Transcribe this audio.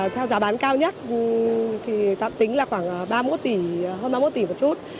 theo giá bán cao nhất thì tạm tính là khoảng ba mốt tỷ hơn ba mốt tỷ một chút